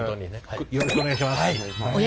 よろしくお願いします。